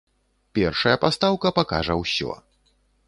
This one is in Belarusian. Першая пастаўка пакажа ўсё.